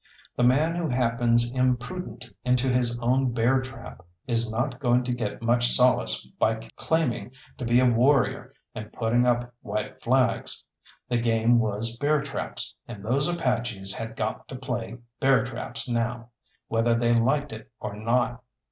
The man who happens imprudent into his own bear trap is not going to get much solace by claiming to be a warrior and putting up white flags. The game was bear traps, and those Apaches had got to play bear traps now, whether they liked it or not.